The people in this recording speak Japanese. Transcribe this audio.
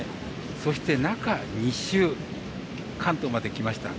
そして、中２週関東まで来ました。